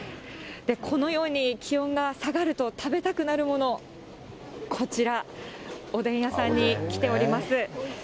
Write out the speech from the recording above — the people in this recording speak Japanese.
このように気温が下がると食べたくなるもの、こちら、おでん屋さんに来ております。